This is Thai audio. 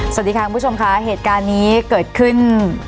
สวัสดีค่ะค่ะพี่ชมท์เหตุการณ์นี้เกิดขึ้น